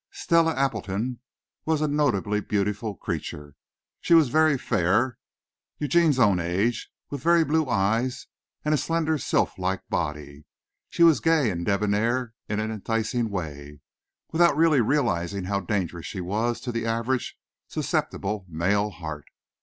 Stella Appleton was a notably beautiful creature. She was very fair, Eugene's own age, with very blue eyes and a slender sylph like body. She was gay and debonair in an enticing way, without really realizing how dangerous she was to the average, susceptible male heart.